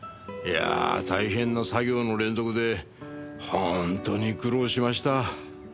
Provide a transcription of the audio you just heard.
いや大変な作業の連続で本当に苦労しました。